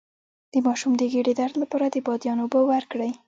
د ماشوم د ګیډې درد لپاره د بادیان اوبه ورکړئ